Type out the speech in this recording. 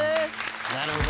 なるほど。